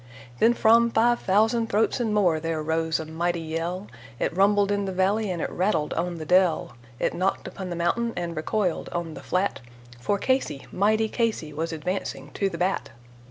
Then from five thousand throats and more there rose a mighty yell, It rumbled in the valley and it rattled on the dell, It knocked upon the mountain and recoiled on the flat, For Casey, mighty Casey, was advancing to the bat.